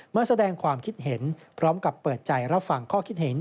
มาแสดงความคิดเห็นพร้อมกับเปิดใจรับฟังข้อคิดเห็น